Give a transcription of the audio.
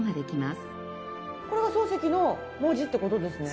これが漱石の文字って事ですね？